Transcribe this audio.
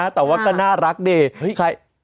แต่ว่าก็น่ารักเนี่ย